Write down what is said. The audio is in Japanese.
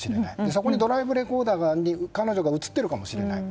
そこにドライブレコーダーに彼女が映っているかもしれない。